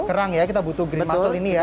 kerang ya kita butuh green muscle ini ya